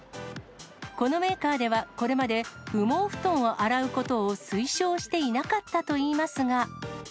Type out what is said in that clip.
このメーカーでは、これまで羽毛布団を洗うことを推奨していなかったといいますが。